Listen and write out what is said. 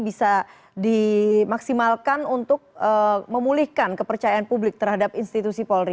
bisa dimaksimalkan untuk memulihkan kepercayaan publik terhadap institusi polri